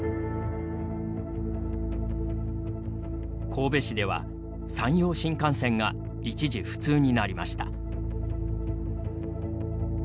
神戸市では、山陽新幹線が一時不通になりました。